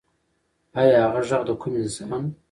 ایا هغه غږ د کوم انسان و؟